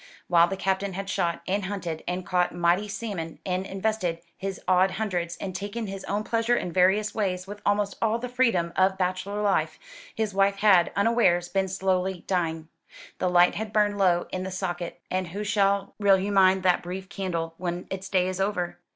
While the Captain had shot, and hunted, and caught mighty salmon, and invested his odd hundreds, and taken his own pleasure in various ways, with almost all the freedom of bachelor life, his wife had, unawares, been slowly dying. The light had burned low in the socket; and who shall reillumine that brief candle when its day is over?